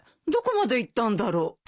どこまで行ったんだろう？